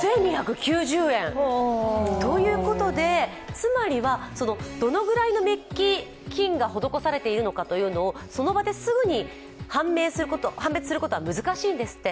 つまりは、どのぐらいのメッキ、金が施されているかというのをその場ですぐに判別することは難しいんですって。